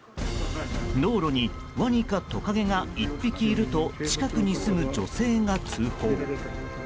道路にワニかトカゲが１匹いると近くに住む女性が通報。